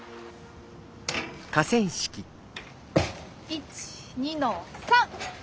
１２の３！